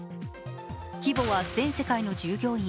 規模は全世界の従業員